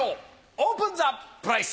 オープンザプライス！